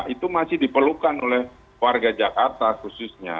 itu masih diperlukan oleh warga jakarta khususnya